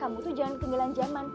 kamu tuh jangan kembilan jaman